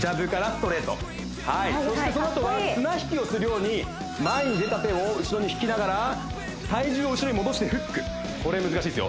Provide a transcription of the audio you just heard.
ジャブからストレートそしてそのあとは綱引きをするように前に出た手を後ろに引きながら体重を後ろに戻してフックこれ難しいっすよ